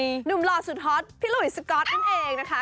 หนุ่มหล่อสุดฮอตพี่หลุยสก๊อตนั่นเองนะคะ